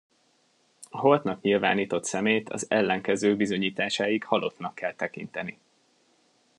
A holtnak nyilvánított személyt az ellenkező bizonyításáig halottnak kell tekinteni.